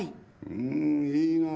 うんいいなあ。